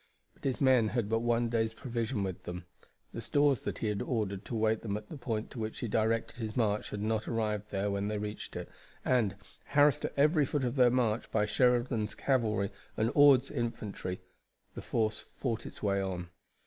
But his men had but one day's provision with them. The stores that he had ordered to await them at the point to which he directed his march had not arrived there when they reached it, and, harassed at every foot of their march by Sheridan's cavalry and Ord's infantry, the force fought its way on.